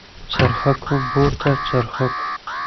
څرخکو بوته څرخکو.